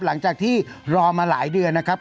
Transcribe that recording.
หลังจากที่รอมาหลายเดือนนะครับ